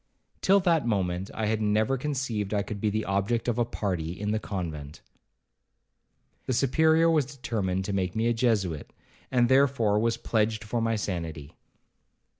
Till that moment, I had never conceived I could be the object of a party in the convent. The Superior was determined to make me a Jesuit, and therefore was pledged for my sanity.